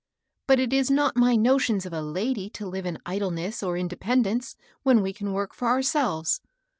But it is not my notions of a lady to live in idleness or in dependence, when we can work for ourselves.